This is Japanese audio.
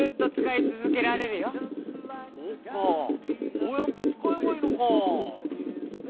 そうやってつかえばいいのか。